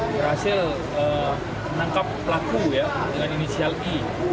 berhasil menangkap pelaku ya dengan inisial i